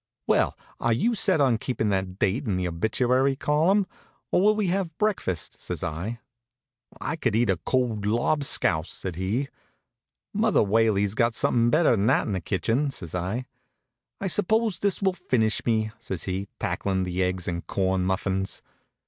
"Well, are you set on keepin' that date in the obituary column, or will we have breakfast?" says I. "I could eat cold lobscouse," says he. "Mother Whaley's got somethin' better'n that in the kitchen," says I. "I suppose this will finish me," says he, tacklin' the eggs and corn muffins.